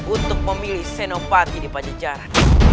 untuk memilih senopati di padijara